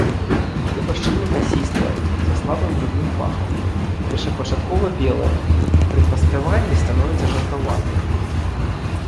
Глеба шчыльна-мясістая, са слабым грыбным пахам, першапачаткова белая, пры паспяванні становіцца жаўтаватай.